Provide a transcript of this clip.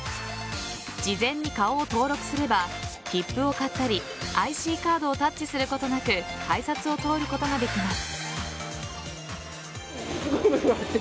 事前に顔を登録すれば切符を買ったりＩＣカードをタッチすることなく改札を通ることができます。